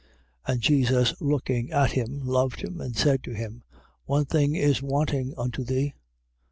10:21. And Jesus, looking on him, loved him and said to him: One thing is wanting unto thee.